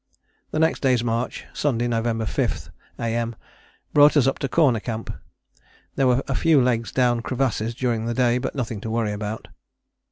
The next day's march (Sunday, November 5, A.M.) brought us to Corner Camp. There were a few legs down crevasses during the day but nothing to worry about.